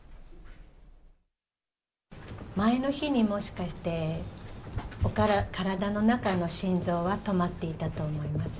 前の日にもしかして、体の中の心臓は止まっていたと思います。